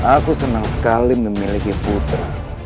aku senang sekali memiliki putra